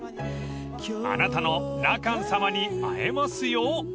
［あなたの羅漢様に会えますよ］